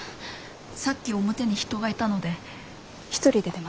さっき表に人がいたので１人で出ます。